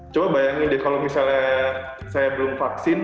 coba bayangin deh kalau misalnya saya belum vaksin